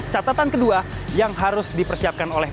catatan kedua yang harus dipersiapkan oleh